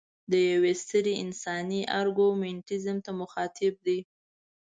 د یوې سترې انساني ارګومنټیزم ته مخاطب دی.